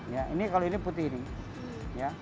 ya ini kalau ini putih ini